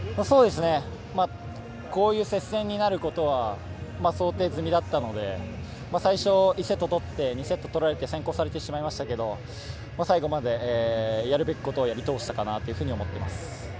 こういう接戦になることは想定済みだったので、最初１セット取って２セットを取られて先行されてしまいましたけど、最後までやるべきことやり通したかなというふうに思っています。